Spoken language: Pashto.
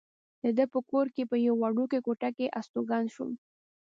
د ده په کور کې په یوې وړوکې کوټه کې استوګن شوم.